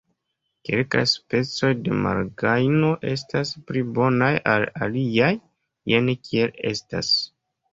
Kelkaj specoj de malgajno estas pli bonaj ol aliaj, jen kiel estas.